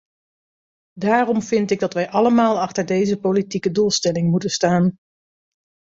Daarom vind ik dat wij allemaal achter deze politieke doelstelling moeten staan.